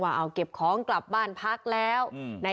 ว่าตำแหน่งปัญหาสอบถ่ายยังตกลงกันไม่ได้